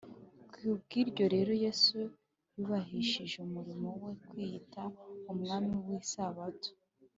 ku bw’ibyo rero yesu yubahishije umurimo we kwiyita “umwami w’isabato